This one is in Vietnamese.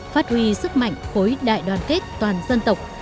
phát huy sức mạnh khối đại đoàn kết toàn dân tộc